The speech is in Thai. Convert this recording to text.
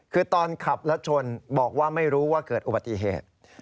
คือตอนขับและชนบอกว่าไม่รู้ว่าเกิดอุบัติเหตุ